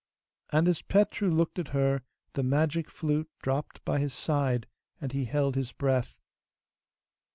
And as Petru looked at her the magic flute dropped by his side, and he held his breath.